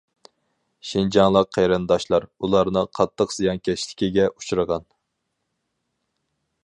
شىنجاڭلىق قېرىنداشلار ئۇلارنىڭ قاتتىق زىيانكەشلىكىگە ئۇچرىغان.